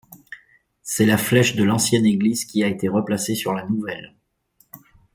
C'est la flèche de l'ancienne église qui a été replacée sur la nouvelle.